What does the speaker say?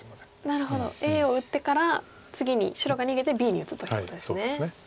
なるほどＡを打ってから次に白が逃げてＢに打つということですね。